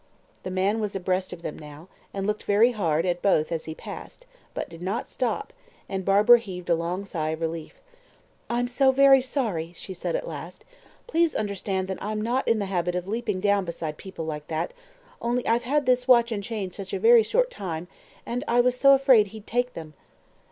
The man was abreast of them now, and looked very hard at both as he passed, but did not stop, and Barbara heaved a long sigh of relief. "I'm so very sorry," she said at last. "Please understand I am not in the habit of leaping down beside people like that, only I've had this watch and chain such a very short time, and I was so afraid he'd take them."